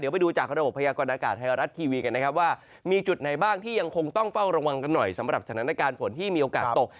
ไปดูจากระบบพยากรณากาศไทยรัฐทีวีกันนะครับว่ามีจุดไหนบ้างที่ยังคงต้องเฝ้าระวังกันหน่อยสำหรับสถานการณ์ฝนที่มีโอกาสตก